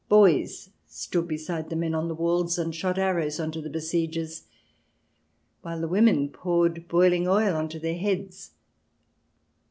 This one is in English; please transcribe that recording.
Boys stood beside the men on the walls and shot arrows on to the besiegers, while the women poured boiling oil on to their heads.